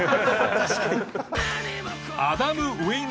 確かに。